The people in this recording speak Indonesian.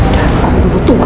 dasar ibu tua